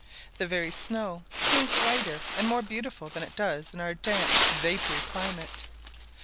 The very snow seems whiter and more beautiful than it does in our damp, vapoury climate.